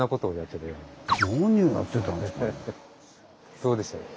どうでしょう。